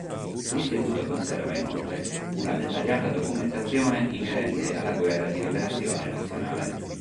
L'istituto conserva inoltre una dettagliata documentazione inerente alla guerra di Liberazione Nazionale.